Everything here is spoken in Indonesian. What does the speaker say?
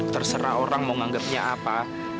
terserah orang mau manggetnya apa